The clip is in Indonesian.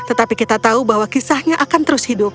tetapi kita tahu bahwa kisahnya akan terus hidup